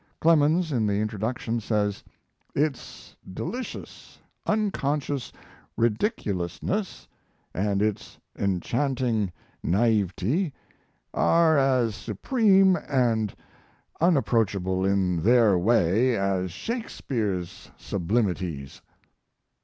Clemens in the introduction says: "Its delicious, unconscious ridiculousness and its enchanting naivety are as supreme and unapproachable in their way as Shakespeare's sublimities."